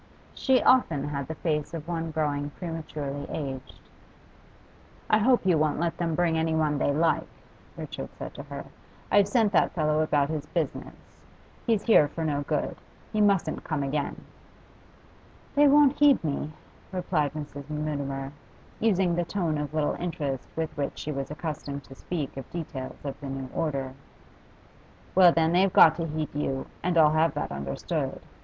She often had the face of one growing prematurely aged. 'I hope you won't let them bring anyone they like,' Richard said to her. 'I've sent that fellow about his business; he's here for no good. He mustn't come again.' 'They won't heed me,' replied Mrs. Mutimer, using the tone of little interest with which she was accustomed to speak of details of the new order. 'Well, then, they've got to heed you, and I'll have that understood.